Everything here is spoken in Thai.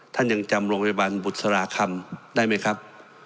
ท่านยังจำโรงพยาบาลบุษราคำได้ไหมครับ